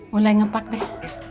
mulai ngepak deh